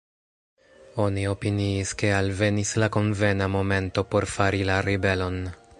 Oni opiniis, ke alvenis la konvena momento por fari la ribelon.